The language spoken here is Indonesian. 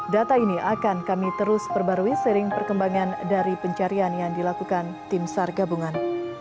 data ini akan kami terus perbarui sering perkembangan dari pencarian yang dilakukan tim sar gabungan